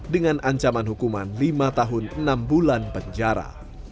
dengan ancaman hukuman lima tahun enam bulan penjara